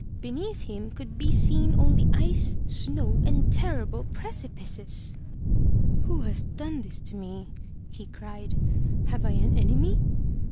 Beneath him could be seen only ice, snow, and terrible precipices! "Who has done this to me?'' he cried. "Have I an enemy?